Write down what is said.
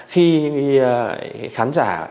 khi khán giả